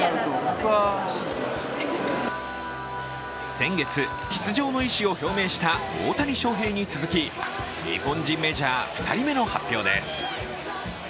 先月、出場の意思を表明した大谷翔平に続き日本人メジャー２人目の発表です。